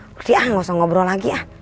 jadi ah gak usah ngobrol lagi ya